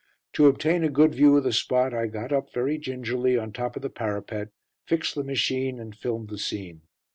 To obtain a good view of the spot I got up very gingerly on top of the parapet, fixed the machine, and filmed the scene.